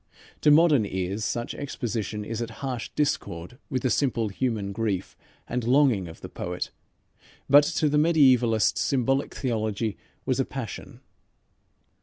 To modern ears such exposition is at harsh discord with the simple human grief and longing of the poet, but to the mediaevalist symbolic theology was a passion.